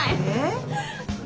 え？